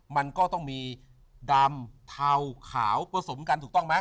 มันก็ต้องมีดำเทาขาวผสมกันถูกต้องไหม